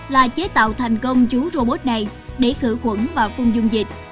là chế tạo thành công chú robot này để khử khuẩn và phung dung dịch